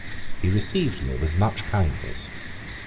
He received me with much kindness.